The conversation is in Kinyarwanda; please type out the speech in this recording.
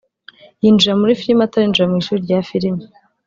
yinjira muri filime atarinjira mu ishuri rya Filime